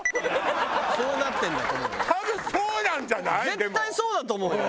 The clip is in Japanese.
絶対そうだと思うよ。